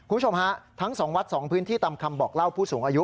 คุณผู้ชมฮะทั้ง๒วัด๒พื้นที่ตามคำบอกเล่าผู้สูงอายุ